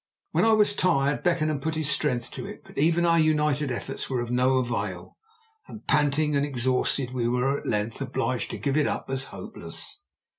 When I was tired Beckenham put his strength to it, but even our united efforts were of no avail, and, panting and exhausted, we were at length obliged to give it up as hopeless.